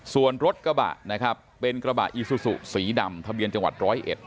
ส่วนรถกระบะนะครับเป็นกระบะอีซูซูสีดำทะเบียนจังหวัดร้อยเอ็ด